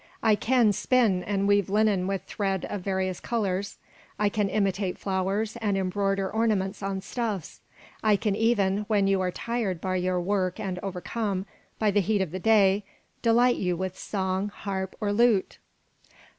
I can spin and weave linen with thread of various colours; I can imitate flowers and embroider ornaments on stuffs; I can even, when you are tired by your work and overcome by the heat of the day, delight you with song, harp, or lute."